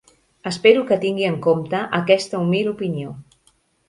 Espero que tingui en compte aquesta humil opinió.